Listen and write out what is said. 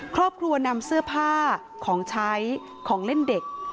ครอบครัวนำเสื้อผ้าของใช้ของเล่นเด็ก